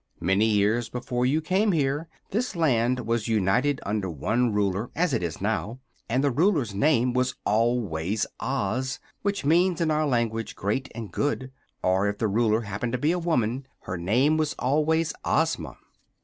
Many years before you came here this Land was united under one Ruler, as it is now, and the Ruler's name was always 'Oz', which means in our language 'Great and Good'; or, if the Ruler happened to be a woman, her name was always 'Ozma.'